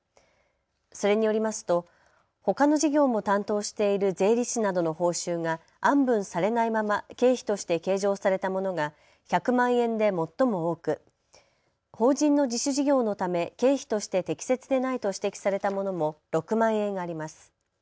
それによりますとほかの事業も担当している税理士などの報酬が案分されないまま経費として計上されたものが１００万円で最も多く法人の自主事業のため経費として適切でないと指摘されたものも６万円あります。